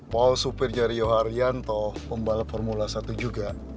polsupir jariho arianto pembalap formula satu juga